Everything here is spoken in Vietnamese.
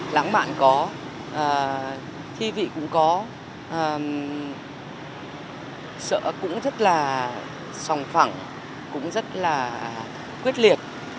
lãng mạn có thi vị cũng có sợ cũng rất là song phẳng cũng rất là quyết liệt